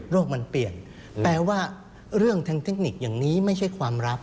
มันเปลี่ยนแปลว่าเรื่องทางเทคนิคอย่างนี้ไม่ใช่ความรัก